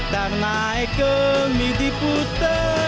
dan naik ke midiputer